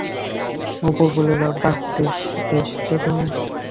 অপু বলিল, বাঃ, বেশ তো তুমি।